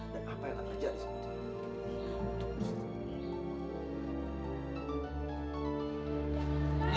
dan apa yang akan terjadi sama dia